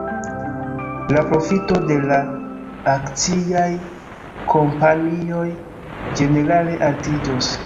La profito de la akciaj kompanioj ĝenerale altiĝos.